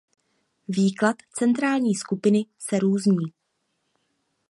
Výklad centrální skupiny se různí.